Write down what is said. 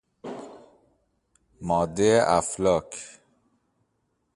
ماده افلاک